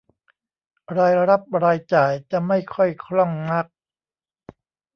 รายรับรายจ่ายจะไม่ค่อยคล่องนัก